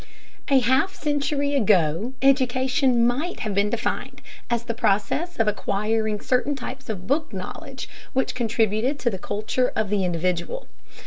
A half century ago education might have been defined as the process of acquiring certain types of book knowledge which contributed to the culture of the individual.